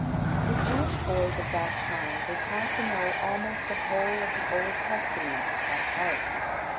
The Jewish boys of that time were taught to know almost the whole of the Old Testament by heart.